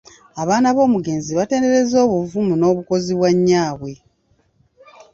Abaana b'omugenzi batenderezza obuvumu n'obukozi bwa nnyaabwe.